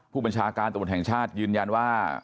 ผู้บัญชาการตำรวจแห่งชาติยืนยันว่า